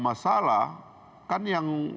masalah kan yang